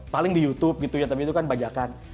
paling di youtube gitu ya tapi itu kan bajakan